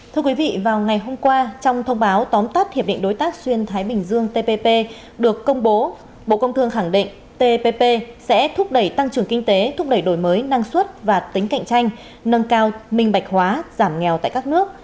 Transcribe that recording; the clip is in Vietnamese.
thưa quý vị vào ngày hôm qua trong thông báo tóm tắt hiệp định đối tác xuyên thái bình dương tpp được công bố bộ công thương khẳng định tpp sẽ thúc đẩy tăng trưởng kinh tế thúc đẩy đổi mới năng suất và tính cạnh tranh nâng cao minh bạch hóa giảm nghèo tại các nước